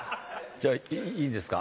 じゃあいいですか？